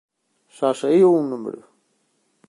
Só saíu un número.